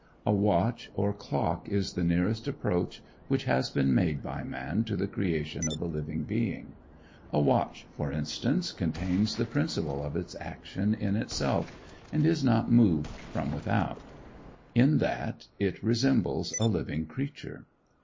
A watch or clock is the nearest approach which has been made by man to the creation of a living being. A watch, for instance, contains the principle of its action in itself, and is not moved from without; in that it resembles a living creature.